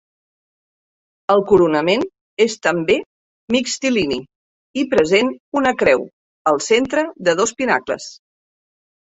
El coronament és també mixtilini i present una creu al centre de dos pinacles.